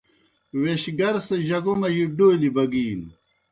ویش گر سہ جگو مجی ڈولیْ بگِینوْ۔